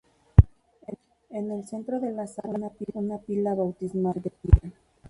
En el centro de la sala, una pila bautismal de piedra.